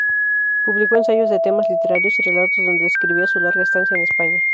Publicó ensayos de temas literarios y relatos donde describía su larga estancia en España.